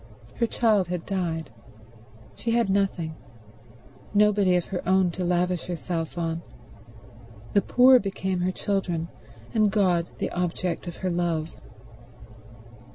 Her child had died; she had nothing, nobody of her own to lavish herself on. The poor became her children, and God the object of her love.